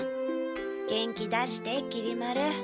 元気出してきり丸。